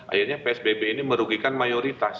akhirnya psbb ini merugikan mayoritas